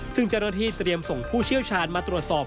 ซึ่งเจ้าหน้าที่เตรียมส่งผู้เชี่ยวชาญมาตรวจสอบ